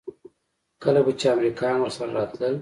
کله به چې امريکايان ورسره راتلل.